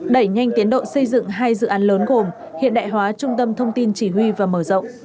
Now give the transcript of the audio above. đẩy nhanh tiến độ xây dựng hai dự án lớn gồm hiện đại hóa trung tâm thông tin chỉ huy và mở rộng